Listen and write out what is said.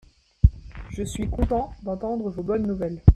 Je suis content d'entendre vos bonnes nouvelles.